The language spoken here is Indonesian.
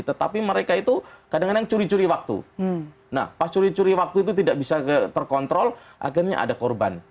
tetapi mereka itu kadang kadang curi curi waktu nah pas curi curi waktu itu tidak bisa terkontrol akhirnya ada korban